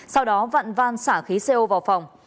sau đó vặn van xả khí co vào phòng